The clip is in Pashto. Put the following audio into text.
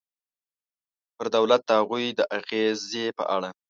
پر دولت د هغوی د اغېزې په اړه.